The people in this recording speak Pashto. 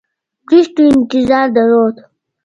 بریسټو انتظار درلود.